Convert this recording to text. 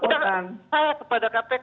kita beri kepercayaan kepada kpk